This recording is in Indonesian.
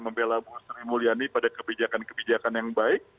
membelah bukhari mulyani pada kebijakan kebijakan yang baik